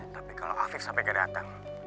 tapi kalau afif sampai gak datang